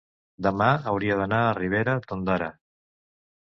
demà hauria d'anar a Ribera d'Ondara.